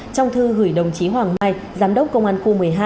trong thư gửi đồng chí hoàng mai giám đốc công an khu một mươi hai